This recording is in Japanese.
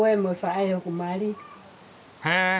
へえ。